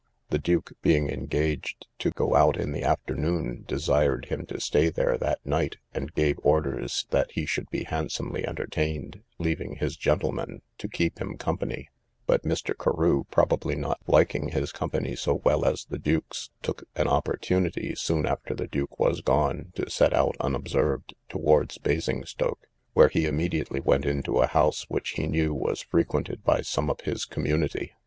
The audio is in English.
The duke, being engaged to go out in the afternoon, desired him to stay there that night, and gave orders that he should be handsomely entertained, leaving his gentleman to keep him company; but Mr. Carew, probably not liking his company so well as the duke's, took an opportunity, soon after the duke was gone, to set out unobserved towards Basingstoke, where he immediately went into a house which he knew was frequented by some of his community.